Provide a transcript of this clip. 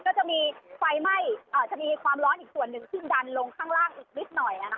ก็จะมีไฟไหม้จะมีความร้อนอีกส่วนหนึ่งที่ดันลงข้างล่างอีกนิดหน่อย